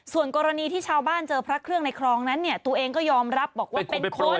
ส่วนกรณีที่ชาวบ้านเจอพระเครื่องในคลองนั้นเนี่ยตัวเองก็ยอมรับบอกว่าเป็นคน